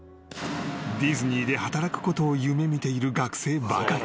［ディズニーで働くことを夢見ている学生ばかり］